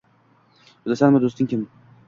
Bilasanmi, do’sting kimdir